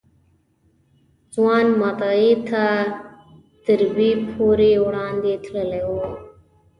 ځوان مدعي تر دربي پورې وړاندې تللی و.